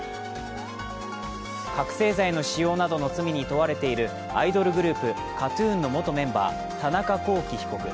覚醒剤の使用などの罪に問われているアイドルグループＫＡＴ−ＴＵＮの元メンバー、田中聖被告。